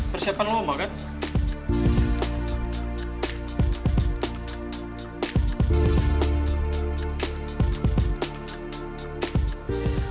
persiapan lo mau kan